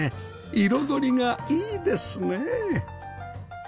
彩りがいいですねえ